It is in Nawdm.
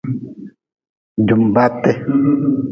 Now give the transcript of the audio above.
Jumbate.